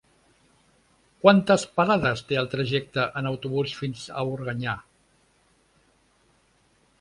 Quantes parades té el trajecte en autobús fins a Organyà?